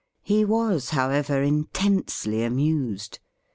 He was, however, intensely amused.